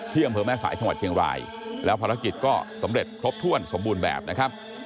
อำเภอแม่สายจังหวัดเชียงรายแล้วภารกิจก็สำเร็จครบถ้วนสมบูรณ์แบบนะครับ